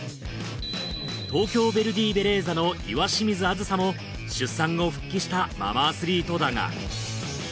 東京ヴェルディベレーザの岩清水梓も出産後復帰したママアスリートだが。